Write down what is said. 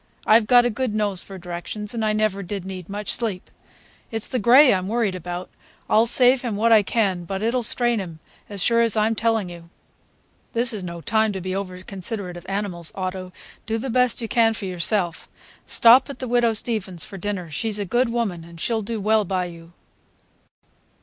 "I've got a good nose for directions, and I never did need much sleep. It's the gray I'm worried about. I'll save him what I can, but it'll strain him, as sure as I'm telling you!" "This is no time to be over considerate of animals, Otto; do the best you can for yourself. Stop at the Widow Steavens's for dinner. She's a good woman, and she'll do well by you."